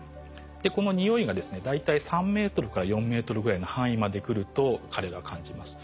この匂いがですね大体３ｍから４ｍぐらいの範囲まで来ると彼らは感じます。